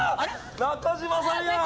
中島さんや！